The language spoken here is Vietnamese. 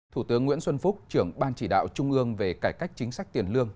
thủ tướng nguyễn xuân phúc trưởng ban chỉ đạo trung ương về cải cách chính sách tiền lương